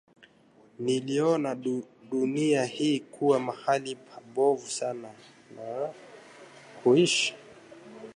Niliona dunia hii kuwa mahali pabovu sana na kuishi